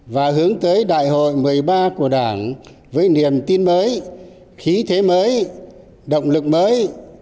và hướng tới đại hội một mươi ba của đảng với niềm tin mới khí thế mới động lực mới